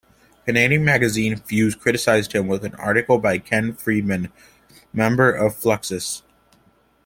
Canadian magazine "Fuse" criticized him with an article by Ken Friedman, member of Fluxus.